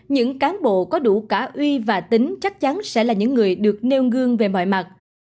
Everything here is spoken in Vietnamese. những cán bộ có đủ cả uy và tính chắc chắn sẽ là những người được nêu gương về mọi mặt